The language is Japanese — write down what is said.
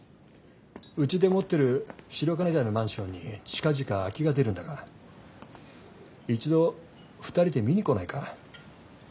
うちで持ってる白金台のマンションに近々空きが出るんだが一度２人で見に来ないか。